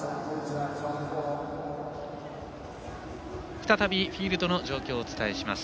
再びフィールドの状況をお伝えします。